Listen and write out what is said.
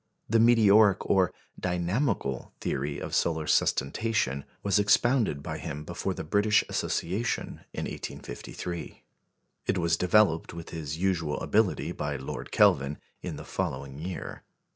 The meteoric, or "dynamical," theory of solar sustentation was expounded by him before the British Association in 1853. It was developed with his usual ability by Lord Kelvin, in the following year.